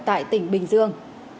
tại tỉnh bình dương